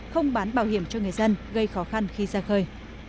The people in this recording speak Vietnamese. không bán bảo hiểm cho người dân gây khó khăn khi ra khơi